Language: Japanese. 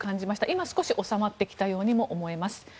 今、少し収まってきたようにも思えます。